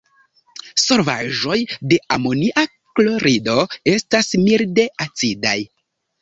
Solvaĵoj de amonia klorido estas milde acidaj.